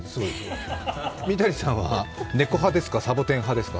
三谷さんは猫派ですかサボテン派ですか？